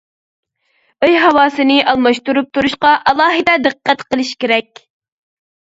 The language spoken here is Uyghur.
ئۆي ھاۋاسىنى ئالماشتۇرۇپ تۇرۇشقا ئالاھىدە دىققەت قىلىش كېرەك.